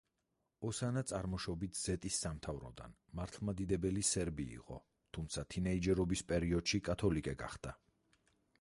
ოსანა წარმოშობით ზეტის სამთავროდან, მართლმადიდებელი სერბი იყო, თუმცა თინეიჯერობის პერიოდში კათოლიკე გახდა.